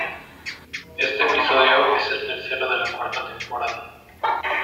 Este episodio es el tercero de la cuarta temporada.